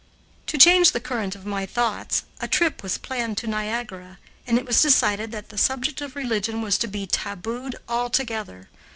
To change the current of my thoughts, a trip was planned to Niagara, and it was decided that the subject of religion was to be tabooed altogether.